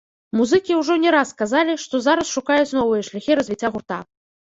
Музыкі ўжо не раз казалі, што зараз шукаюць новыя шляхі развіцця гурта.